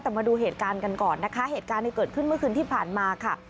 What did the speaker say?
แต่มาดูเหตุการณ์กันก่อนนะคะเหตุการณ์ที่เกิดขึ้นเมื่อคืนที่ผ่านมาค่ะ